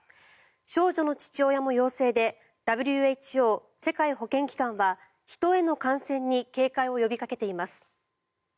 少女の父親も陽性でＷＨＯ・世界保健機関は人への感染に警戒を呼びかけています。